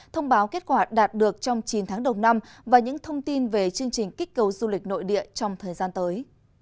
thông báo kết quả đạt được trong chín tháng đầu năm và những thông tin về chương trình kích cầu du lịch nội địa trong thời gian tới